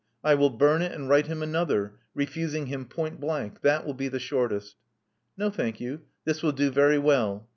I will burn it and write him another, refusing him point blank. That will be the shortest." •*No, thank you. This will do very well."